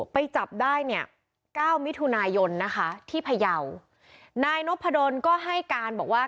ไปจับได้เนี่ย๙มิถุนายนที่ไพเยานายนพดลก็ให้การบอกว่า